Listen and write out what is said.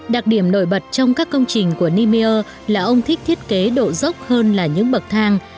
đặc điểm nổi bật trong các công trình của nimir là ông thích thiết kế độ dốc hơn là những bậc thang